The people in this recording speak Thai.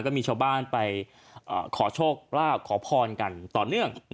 ก็มีชาวบ้านไปขอโชคลาภขอพรกันต่อเนื่อง